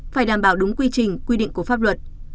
phải đảm bảo đúng quy trình quy định của pháp luật